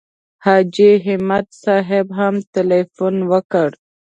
حاجي همت صاحب هم تیلفون وکړ.